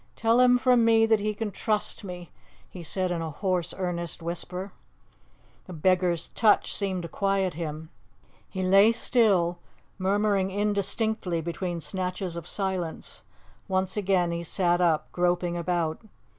"Tell him from me that he can trust me," he said in a hoarse, earnest whisper. The beggar's touch seemed to quiet him. He lay still, murmuring indistinctly between snatches of silence. Once again he sat up, groping about.